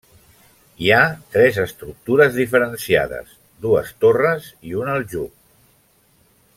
Hi ha tres estructures diferenciades: dues torres i un aljub.